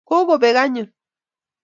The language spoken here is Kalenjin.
Kokobek anyun